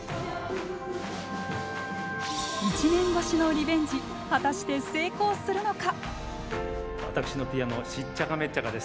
１年越しのリベンジ果たして成功するのか？